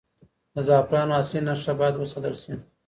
د زعفرانو اصلي نښه باید وساتل شي.